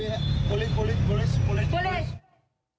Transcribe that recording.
โปรเรชโปรเรชโปรเรช